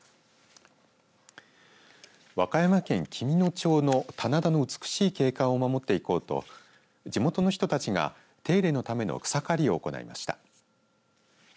和歌山県紀美野町の棚田の美しい景観を守っていこうと地元の人たちが手入れのための草刈りを行いました。